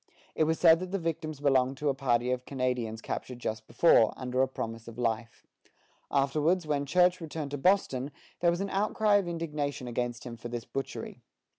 It was said that the victims belonged to a party of Canadians captured just before, under a promise of life. Afterwards, when Church returned to Boston, there was an outcry of indignation against him for this butchery.